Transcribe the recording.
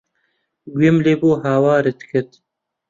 گوێم لێ بوو هاوارت کرد.